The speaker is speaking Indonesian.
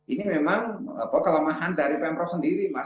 ini memang kelemahan dari pemprov sendiri mas